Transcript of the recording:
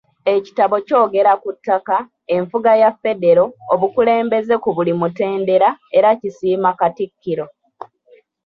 Ekitabo kyogera ku ttaka, enfuga ya Federo, obukulembeze ku buli mutendera, era kisiima Katikkiro.